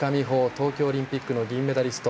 東京オリンピックの銀メダリスト。